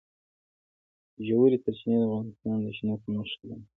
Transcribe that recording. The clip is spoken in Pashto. ژورې سرچینې د افغانستان د شنو سیمو ښکلا ده.